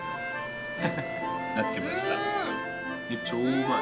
超うまい。